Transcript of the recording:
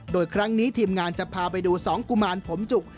โดยครั้งนี้ทีมงานจะพาไปดู๒กุมารผมจุก